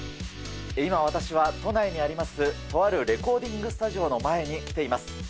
今私は都内にありますとあるレコーディングスタジオの前に来ています。